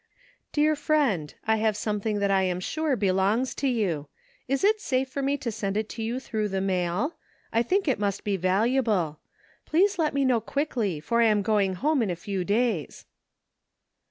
" Dear friend : I have something that I am sure belongs to you. Is it safe for me to send it to you through the mail ? I think it must be valuable. Please let me know quickly for I am going home in a few days."